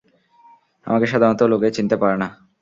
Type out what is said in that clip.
আমাকে সাধারণত লোকে চিনিতে পারে না।